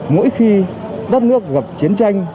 mỗi khi đất nước gặp chiến tranh